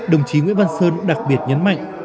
đồng chí nguyễn văn sơn đặc biệt nhấn mạnh